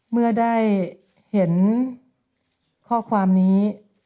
เมื่อได้เห็นข้อความนี้